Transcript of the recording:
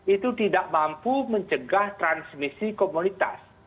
itu tidak mampu mencegah transmisi komunitas